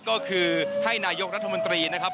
ก็คือให้นายกรัฐมนตรีนะครับ